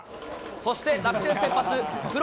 そして楽天先発、プロ